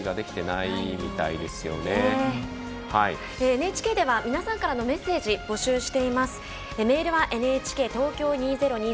ＮＨＫでは皆さんからのメッセージ募集しています。